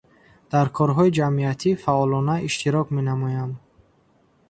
Дар корҳои ҷамъиятӣ фаъолона иштирок менамоям.